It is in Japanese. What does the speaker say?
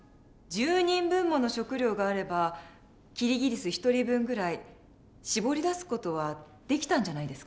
１０人分もの食料があればキリギリス１人分ぐらい搾り出す事はできたんじゃないですか？